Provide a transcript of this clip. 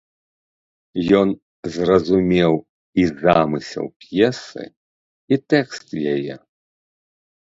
Ён зразумеў і замысел п'есы, і тэкст яе.